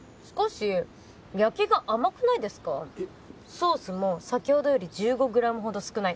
ソースも先ほどより１５ｇほど少ないです。